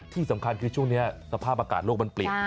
ที่สำคัญคือช่วงนี้สภาพอากาศโลกมันเปลี่ยน